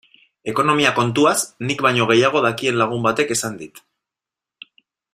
Ekonomia kontuaz nik baino gehiago dakien lagun batek esan dit.